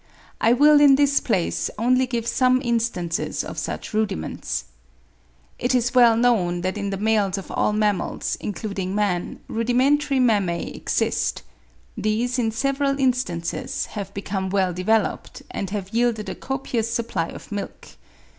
I will in this place only give some instances of such rudiments. It is well known that in the males of all mammals, including man, rudimentary mammae exist. These in several instances have become well developed, and have yielded a copious supply of milk.